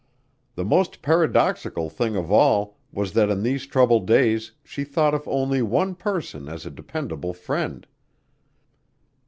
The most paradoxical thing of all was that in these troubled days she thought of only one person as a dependable friend.